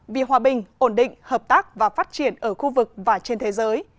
vì hòa bình ổn định hợp tác và phát triển ở khu vực và trên thế giới